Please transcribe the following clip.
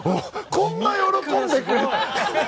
こんな喜んでくれるか！